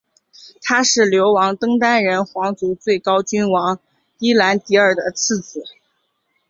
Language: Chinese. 他是流亡登丹人皇族最高君王伊兰迪尔的次子。